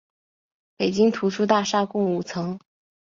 北京图书大厦共五层。